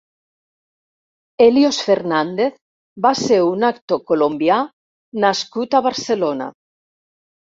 Helios Fernández va ser un actor colombià nascut a Barcelona.